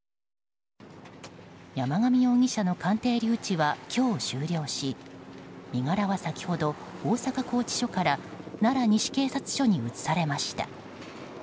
山上容疑者の鑑定留置は今日、終了し身柄は先ほど大阪拘置所から奈良西警察署に移されました。